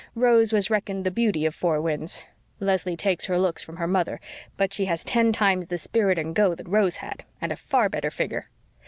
Rose was reckoned the beauty of Four Winds Leslie takes her looks from her mother, but she has ten times the spirit and go that Rose had, and a far better figure.